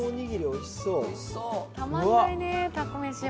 たまんないね、たこ飯は。